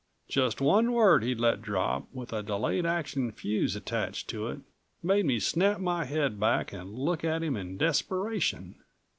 Just one word he'd let drop with a delayed action fuse attached to it made me snap my head back and look at him in desperation.